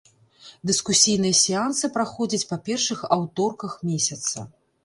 Дыскусійныя сеансы праходзяць па першых аўторках месяца.